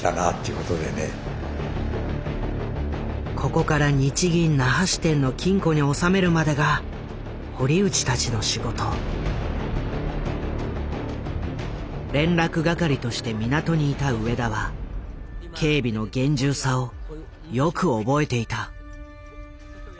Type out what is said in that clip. ここから日銀那覇支店の金庫に納めるまでが堀内たちの仕事。連絡係として港にいた上田は警備の厳重さをよく覚えていた。